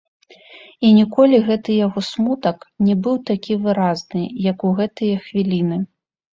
І ніколі гэты яго смутак не быў такі выразны, як у гэтыя хвіліны.